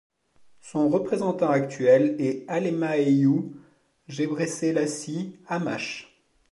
Son représentant actuel est Alemayehu Gebreselassie Amash.